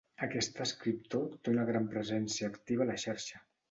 Aquest escriptor té una gran presència activa a la xarxa.